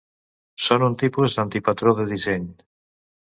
Són un tipus d"antipatró de disseny.